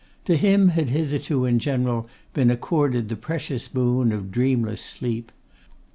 To him had hitherto in general been accorded the precious boon of dreamless sleep.